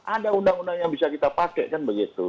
ada undang undang yang bisa kita pakai kan begitu